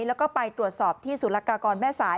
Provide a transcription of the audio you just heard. แล้วก็ไปตรวจสอบที่สุรกากรแม่สาย